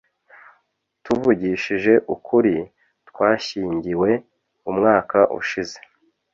Tuvugishije ukuri, twashyingiwe umwaka ushize